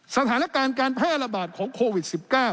สถานการณ์การแพร่ระบาดของโควิด๑๙